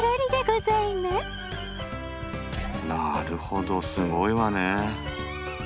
なるほどすごいわね。